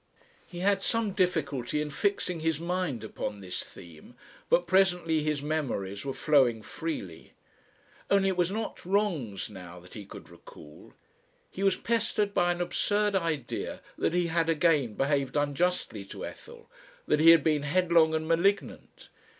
He had some difficulty in fixing his mind upon this theme, but presently his memories were flowing freely. Only it was not wrongs now that he could recall. He was pestered by an absurd idea that he had again behaved unjustly to Ethel, that he had been headlong and malignant.